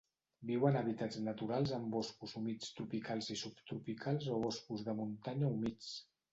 Viu en hàbitats naturals en boscos humits tropicals i subtropicals o boscos de muntanya humits.